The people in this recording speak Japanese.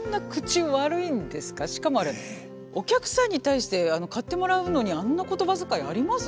しかもあれお客さんに対して買ってもらうのにあんな言葉遣いあります？